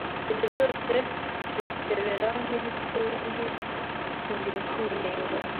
Ibyo byose bikebebere nk’igicumbi shingiro cy’imihengo